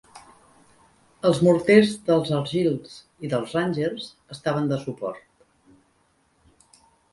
Els morters dels Argylls i dels Rangers estaven de suport.